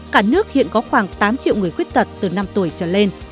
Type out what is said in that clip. cả nước hiện có khoảng tám triệu người khuyết tật từ năm tuổi trở lên